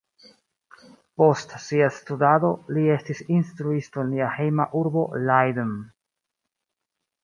Post sia studado, li estis instruisto en lia hejma urbo Leiden.